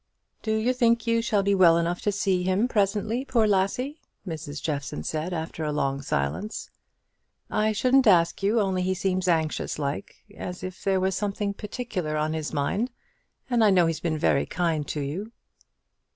"Do you think you shall be well enough to see him presently, poor lassie?" Mrs. Jeffson said, after a long silence. "I shouldn't ask you, only he seems anxious like, as if there was something particular on his mind; and I know he's been very kind to you."